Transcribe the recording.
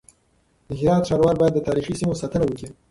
د هرات ښاروال بايد د تاريخي سيمو ساتنه وکړي.